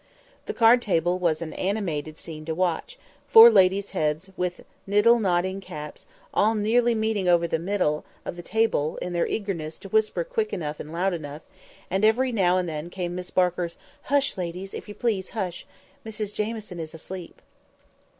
The card table was an animated scene to watch; four ladies' heads, with niddle noddling caps, all nearly meeting over the middle of the table in their eagerness to whisper quick enough and loud enough: and every now and then came Miss Barker's "Hush, ladies! if you please, hush! Mrs Jamieson is asleep."